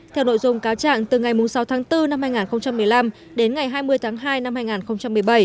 theo nội dung cáo trạng từ ngày sáu tháng bốn năm hai nghìn một mươi năm đến ngày hai mươi tháng hai năm hai nghìn một mươi bảy